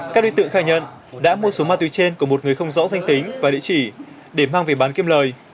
các đối tượng khai nhận đã mua số ma túy trên của một người không rõ danh tính và địa chỉ để mang về bán kiếm lời